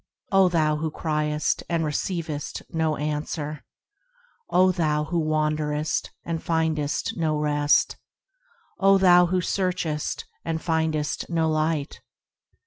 O thou who criest and receivest no answer ! O thou who wanderest and findest no rest ! O thou who searchest and findest no Light